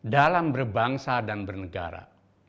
dalam berbangsa dan bernegara